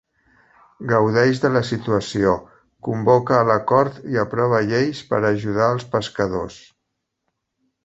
Gaudeix de la situació, convoca a la cort i aprova lleis per ajudar als pescadors.